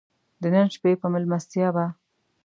د نن شپې په مېلمستیا به.